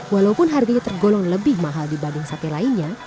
walaupun harganya tergolong lebih mahal dibanding sate lainnya